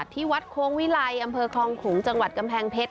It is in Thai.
ที่วัดโค้งวิลัยอำเภอคลองขลุงจังหวัดกำแพงเพชร